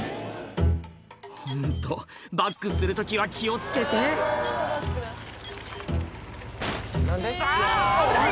ホントバックする時は気を付けてあぁ危ない！